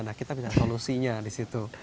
nah kita bisa solusinya di situ